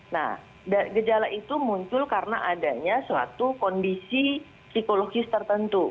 nah gejala itu muncul karena adanya suatu kondisi psikologis tertentu